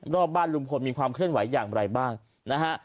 รอบบ้านลุงพลมีความเคลื่อนไหวอย่างไรบ้างนะฮะ